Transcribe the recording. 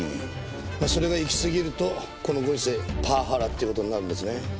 それがいきすぎるとこのご時世パワハラっていう事になるんですね。